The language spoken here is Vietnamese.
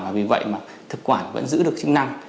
vì vậy mà thực quản vẫn giữ được chức năng